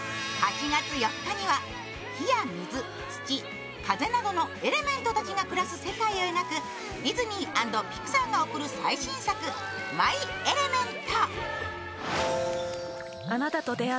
火や水、土、風などのエレメントたちが暮らす世界を描くディズニー＆ピクサーが送る最新作「マイ・エレメント」。